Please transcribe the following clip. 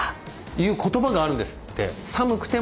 いう言葉があるんですって。